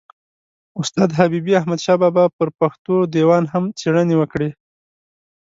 استاد حبیبي احمدشاه بابا پر پښتو دېوان هم څېړني وکړې.